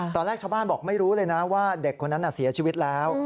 ตอนแรกชาวบ้านบอกไม่รู้เลยนะว่าเด็กคนนั้นเสียชีวิตแล้ว